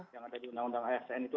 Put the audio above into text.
yang ada di undang undang asn itu